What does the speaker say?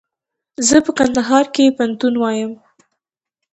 زه په کندهار کښي پوهنتون وایم.